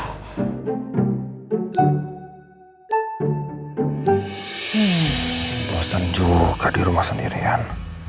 bosan juga di rumah sendirian